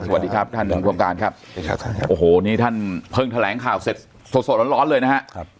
สวัสดีครับท่านผู้ชมการครับโอ้โหนี่ท่านเพิ่งแถลงข่าวเสร็จสดสดร้อนร้อนเลยนะครับ